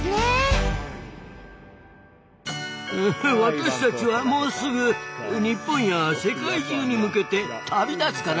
私たちはもうすぐ日本や世界中に向けて旅立つからね！